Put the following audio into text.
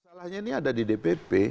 masalahnya ini ada di dpp